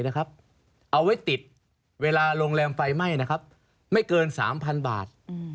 เอาไว้ติดเวลาโรงแรมไฟไหม้ไม่เกิน๓๐๐๐บาท